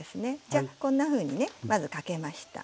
じゃあこんなふうにねまずかけました。